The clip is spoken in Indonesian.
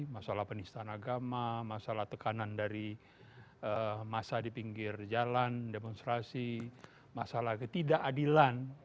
masalah penistaan agama masalah tekanan dari masa di pinggir jalan demonstrasi masalah ketidakadilan